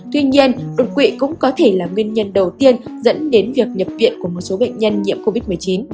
tuy nhiên đột quỵ cũng có thể là nguyên nhân đầu tiên dẫn đến việc nhập viện của một số bệnh nhân nhiễm covid một mươi chín